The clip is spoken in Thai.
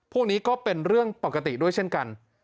พวกนี้ก็เป็นเรื่องปกติด้วยเช่นกัน